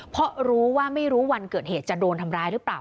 เพราะรู้ว่าไม่รู้วันเกิดเหตุจะโดนทำร้ายหรือเปล่า